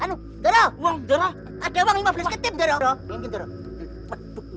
uang lima belas ketip